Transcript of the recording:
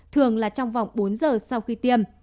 thường là trong vòng bốn h sau khi tiêm